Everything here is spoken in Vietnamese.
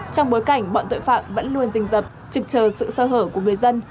trong bối cảnh bọn tội phạm vẫn luôn rình dập trực chờ sự sơ hở của người dân